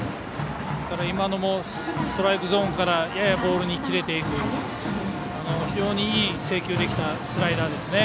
今のもストライクゾーンからややボールに切れていく非常にいい、制球できたスライダーでしたね。